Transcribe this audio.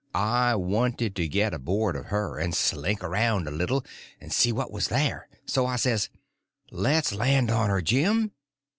I wanted to get aboard of her and slink around a little, and see what there was there. So I says: "Le's land on her, Jim."